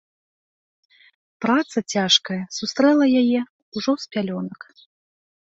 Праца цяжкая сустрэла яе ўжо з пялёнак.